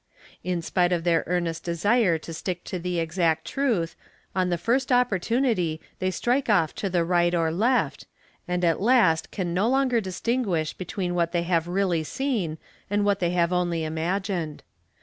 In spite of their earnest desire to stick to the exact truth, on the first opportunity they strike off to the right or left, and at last can no longer distinguish between what they have really seen and what they have only | imagined.